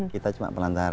kita cuma pelantaran pak